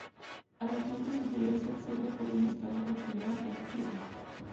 A la planta superior se accede por una escalera tallada en la piedra.